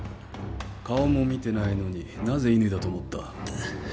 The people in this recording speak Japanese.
顔も見てないのになぜ乾だと思った？